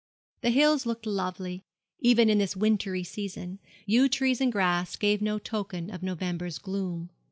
The hills looked lovely, even in this wintry season yew trees and grass gave no token of November's gloom.